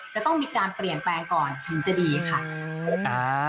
จะต้องมีการเปลี่ยนแปลงก่อนถึงจะดีค่ะ